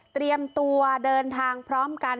เตรียมตัวเดินทางพร้อมกัน